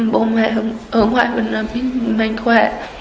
bố mẹ ở ngoài mình là mình khỏe